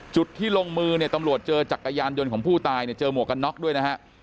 จุดที่ลงมือเนี่ยตำรวจเจอจักรยานยนต์ของผู้ตายเนี่ยเจอหมวกกันน็อกด้วยนะฮะ